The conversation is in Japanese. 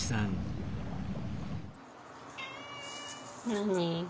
何？